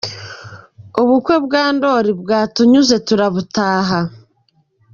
Ubukwe bwa Ndoli bwatunyuze turabutaha.